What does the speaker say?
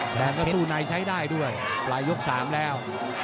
แดงก็สู้ในใช้ได้ด้วยปลายยก๓แล้ว